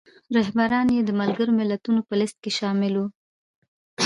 رهبران یې د ملګرو ملتونو په لیست کې شامل وو.